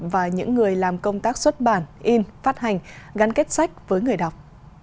và những người làm công tác xuất bản in phát hành gắn kết sách với người đọc